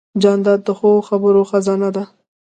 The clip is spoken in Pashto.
جانداد د ښو خبرو خزانه ده.